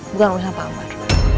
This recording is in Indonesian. bukan urusan pak amar